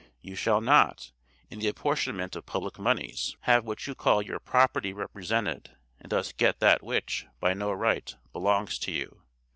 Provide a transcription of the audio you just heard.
You shall not, in the apportionment of public moneys, have what you call your 'property' represented, and thus get that which, by no right, belongs to you.